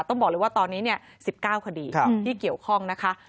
ต้องบอกเลยว่าตอนนี้๑๙คดีที่เกี่ยวข้องนะคะ